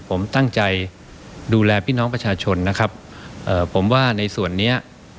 ผมตั้งใจดูแลพี่น้องประชาชนนะครับเอ่อผมว่าในส่วนเนี้ย